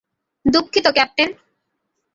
দুঃখিত, ক্যাপ্টেন।